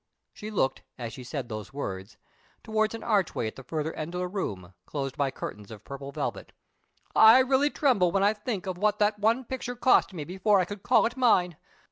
She looked, as she said those words, towards an archway at the further end of the room, closed by curtains of purple velvet. "I really tremble when I think of what that one picture cost me before I could call it mine.